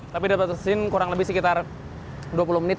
tapi di batasin kurang lebih sekitar dua puluh menit